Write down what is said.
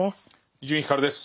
伊集院光です。